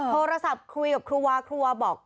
โทรศัพท์คุยกับครูวาครัวบอก